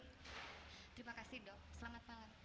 terima kasih dok selamat malam